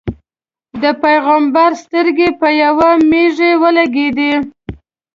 د پېغمبر سترګې په یوې مېږې ولګېدې.